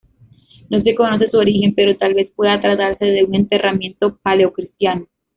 No se conoce su origen, pero tal vez pueda tratarse de un enterramiento paleocristiano.